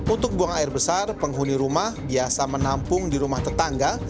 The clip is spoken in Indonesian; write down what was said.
untuk buang air besar penghuni rumah biasa menampung di rumah tetangga